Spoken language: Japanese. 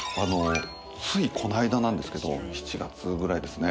ついこの間なんですけど７月くらいですね。